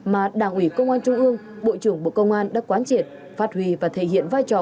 mà đảng ủy công an trung ương bộ trưởng bộ công an đã quán triệt phát huy và thể hiện vai trò